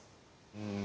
うん。